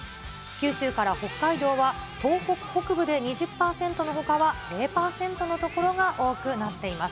九州から北海道は東北北部で２０％のほかは０％の所が多くなっています。